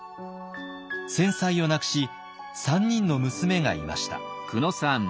先妻を亡くし３人の娘がいました。